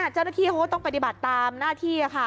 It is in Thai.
เจ้าหน้าที่เขาก็ต้องปฏิบัติตามหน้าที่ค่ะ